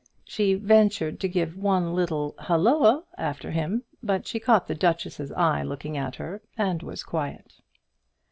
She ventured to give one little halloa after him, but she caught the duchess's eye looking at her, and was quiet.